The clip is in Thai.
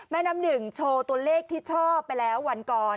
น้ำหนึ่งโชว์ตัวเลขที่ชอบไปแล้ววันก่อน